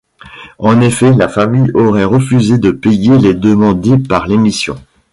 En effet, la famille aurait refusé de payer les demandés par l'émission.